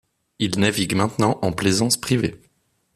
Il navigue maintenant en plaisance privée.